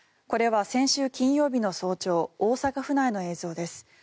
これは先週金曜日の早朝大阪府内の映像です。